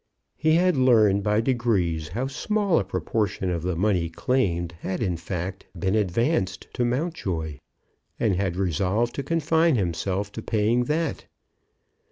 He had learned by degrees how small a proportion of the money claimed had, in fact, been advanced to Mountjoy, and had resolved to confine himself to paying that.